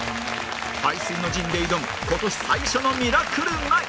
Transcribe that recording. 背水の陣で挑む今年最初の『ミラクル９』